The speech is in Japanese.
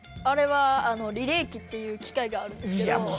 あれはリレー機っていう機械があるんですけど。